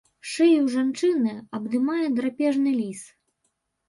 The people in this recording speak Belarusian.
Шыю жанчыны абдымае драпежны ліс.